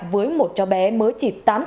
với một cháu bé mới chỉ tám tuổi